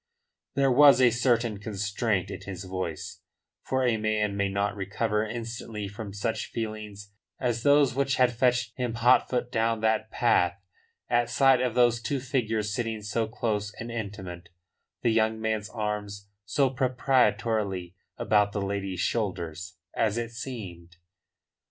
There was a certain constraint in his voice, for a man may not recover instantly from such feelings as those which had fetched him hot foot down that path at sight of those two figures sitting so close and intimate, the young man's arm so proprietorialy about the lady's shoulders as it seemed.